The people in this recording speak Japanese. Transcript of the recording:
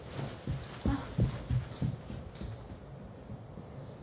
あっ。